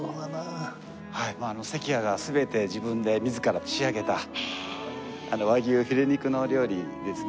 関谷が全て自分で自ら仕上げた和牛フィレ肉のお料理ですね。